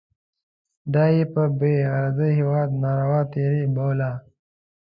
دا یې پر بې غرضه هیواد ناروا تېری باله.